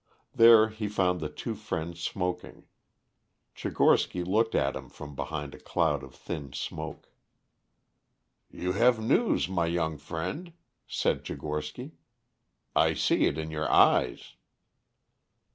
There he found the two friends smoking. Tchigorsky looked at him from behind a cloud of thin smoke. "You have news, my young friend," said Tchigorsky. "I see it in your eyes."